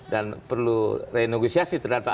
dan perlu re negosiasi terhadap